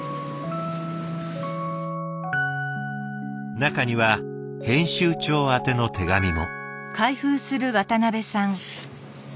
中には編集長宛ての手紙も。